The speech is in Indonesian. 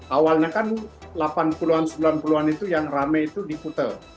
awalnya kan delapan puluh an sembilan puluh an itu yang rame itu di kute